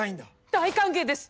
大歓迎です！